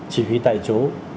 chỉ huy tại chỗ